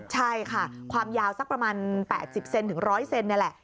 ใช่ค่ะความยาวสักประมาณ๘๐๑๐๐เซนติเตียว